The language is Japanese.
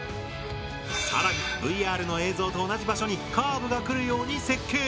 更にＶＲの映像と同じ場所にカーブが来るように設計。